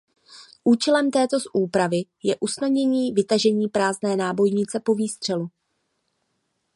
Účelem této úpravy je usnadnění vytažení prázdné nábojnice po výstřelu.